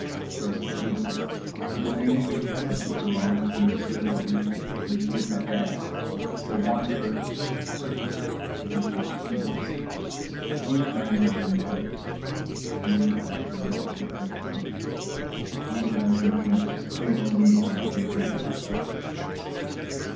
So were we: for the names respectively belonged to Monsieur Auguste, Monsieur Pet airs, The Wanderer, Surplice and The Spoonman. These men had been judged. These men were going to Précigne. These men would be prisonniers pour la durée de la guerre.